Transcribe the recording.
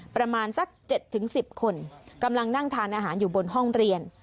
ประมาณสัก๗๑๐คนกำลังนั่งทานอาหารอยู่บนห้องเรียน